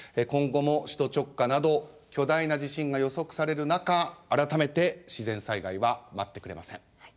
今後も首都直下など巨大な地震が予測される中改めて自然災害は待ってくれません。